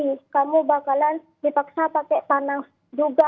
nggak bakalan dipaksa pakai panah juga